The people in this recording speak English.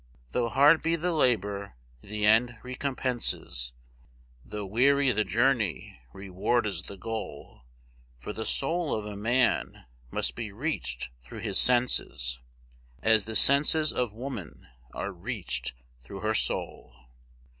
Though hard be the labour, the end recompenses Though weary the journey, reward is the goal. For the soul of a man must be reached through his senses, As the senses of woman are reached through her soul.